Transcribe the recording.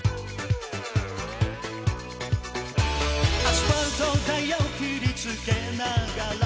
「アスファルトタイヤを切りつけながら」